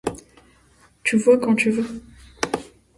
Tu vois quand tu veux ?